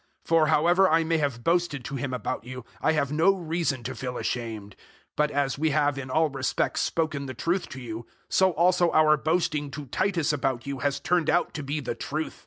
007:014 For however I may have boasted to him about you, I have no reason to feel ashamed; but as we have in all respects spoken the truth to you, so also our boasting to Titus about you has turned out to be the truth.